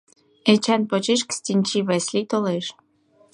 Эчан почеш Кстинчий Васлий толеш.